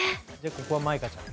ここは舞香ちゃんだ。